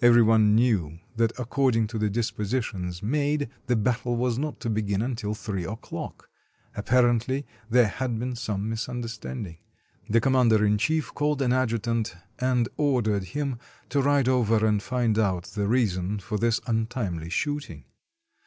Every one knew that according to the dispositions made, the battle was not to begin until three o'clock; ap parently there had been some misunderstanding. The commander in chief called an adjutant and ordered him to ride over and find out the reason of this untimely shooting.